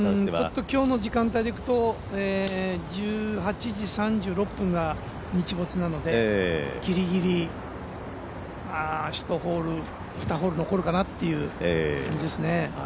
今日の時間帯でいくと１８時３６分が日没なのでギリギリ１ホール、２ホール残るかなという感じですね